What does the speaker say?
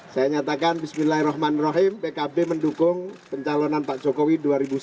saya nyatakan bismillahirrahmanirrahim pkb mendukung pencalonan pak jokowi dua ribu sembilan belas